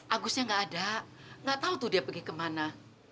agusnya nggak ada nggak tahu tuh dia pergi kemana